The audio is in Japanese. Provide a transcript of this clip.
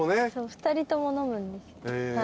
２人とも飲むんです。